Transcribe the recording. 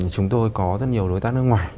chúng tôi có rất nhiều đối tác nước ngoài